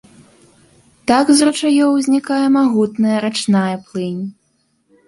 Так з ручаёў узнікае магутная рачная плынь.